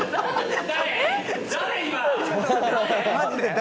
誰？